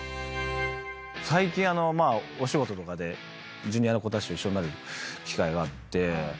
最近お仕事でＪｒ．の子たちと一緒になる機会があって。